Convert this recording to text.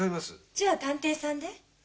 じゃあ探偵さんで？